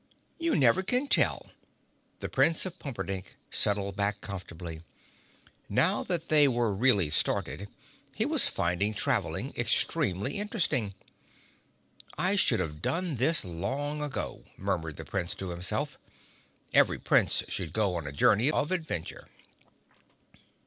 "You never can tell." The Prince of Pumperdink settled back comfortably. Now that they were really started, he was finding traveling extremely interesting. "I should have done this long ago," murmured the Prince to himself. "Every Prince should go on a journey of adventure."